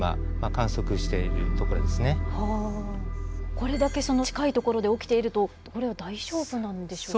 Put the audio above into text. これだけ近いところで起きているとこれは大丈夫なんでしょうか？